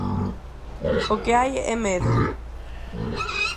O que hai é medo.